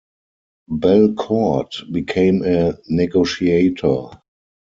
Bellecourt became a negotiator.